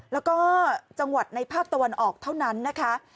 แล้วก็จังหวัดในภาคตะวันออกเท่านั้นนะคะ